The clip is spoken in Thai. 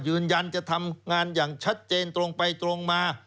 ยืนยันจะทำงานอย่างชัดเจนตรงไปตรงมา